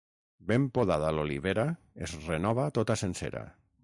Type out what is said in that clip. Ben podada l'olivera, es renova tota sencera.